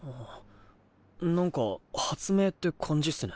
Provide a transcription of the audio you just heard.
なんか発明って感じっすね。